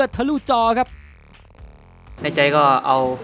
สวัสดีครับ